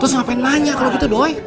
terus ngapain nanya kalau gitu doi